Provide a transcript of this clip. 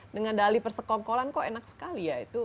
dengan dali persekongkolan kok enak sekali ya itu